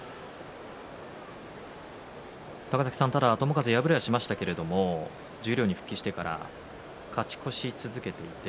高崎さん、ただ友風は敗れはしましたけれども十両に復帰してから勝ち越し続けていて